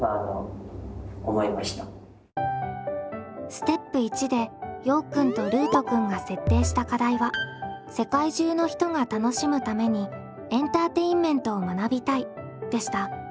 ステップ１でようくんとルートくんが設定した課題は「世界中の人が楽しむためにエンターテインメントを学びたい」でした。